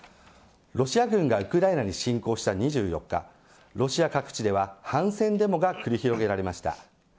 ロシア軍がウクライナに侵攻した２４日ロシア各地では反戦デモが繰り広げられました。